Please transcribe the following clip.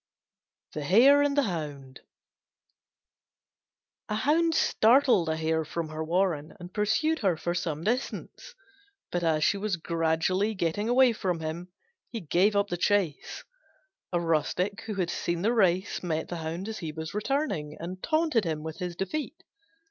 THE HARE AND THE HOUND A Hound started a Hare from her form, and pursued her for some distance; but as she gradually gained upon him, he gave up the chase. A rustic who had seen the race met the Hound as he was returning, and taunted him with his defeat.